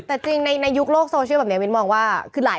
แต่จริงในยุคโลกโซเชียลแบบไหนวินบอกว่า